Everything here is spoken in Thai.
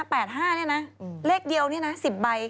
๘๘๕เนี่ยนะเลขเดียวเนี่ยนะ๑๐ใบ